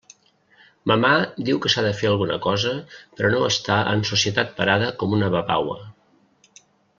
Mamà diu que s'ha de fer alguna cosa per a no estar en societat parada com una babaua.